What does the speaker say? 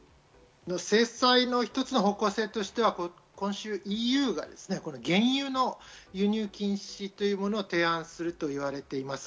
制裁の一つの方向性としてはＥＵが原油の輸入禁止というものを提案するといわれています。